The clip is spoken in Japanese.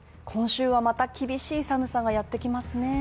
今週はまた厳しい寒さがやってきますね